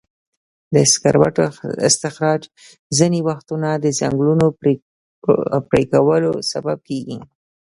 د سکرو استخراج ځینې وختونه د ځنګلونو پرېکولو سبب کېږي.